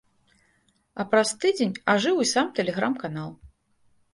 А праз тыдзень ажыў і сам тэлеграм-канал.